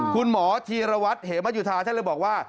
คุณหมอธีรวัตรเหมยุธาท่านเลยบอกว่า